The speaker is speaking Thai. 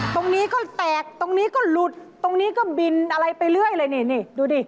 ตรงนี้ก็แตกตรงนี้ก็หลุดตรงนี้ก็บินอะไรไปเรื่อยเลยนี่นี่ดูดิ